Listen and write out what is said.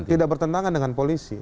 tidak bertentangan dengan polisi